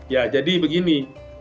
ya jadi begini